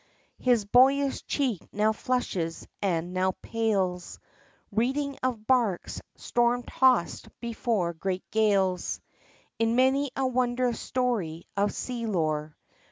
His boyish cheek now flushes and now pales, Reading of barks storm tossed before great gales In many a wondrous story of sea lore.